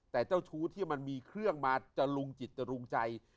แต่เจ้าชู้ที่มันมีเครื่องมาจะลุงจิตจรุงใจ